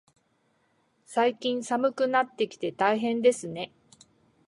最近、寒くなってきて大変ですね。